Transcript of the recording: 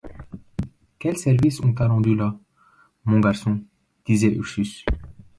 Quel service on t’a rendu là, mon garçon! disait Ursus.